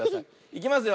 いきますよ。